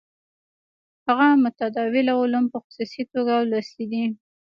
هغه متداوله علوم په خصوصي توګه لوستي دي.